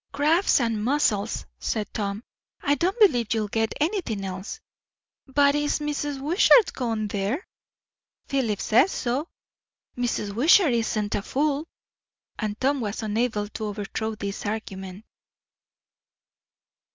"Crabs and mussels," said Tom. "I don't believe you'll get anything else." "But is Mrs. Wishart gone there?" "Philip says so." "Mrs. Wishart isn't a fool." And Tom was unable to overthrow this argument.